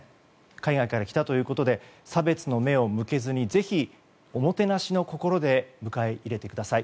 海外から来たということで差別の目を向けずにぜひ、おもてなしの心で迎え入れてください。